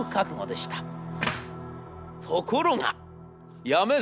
ところが！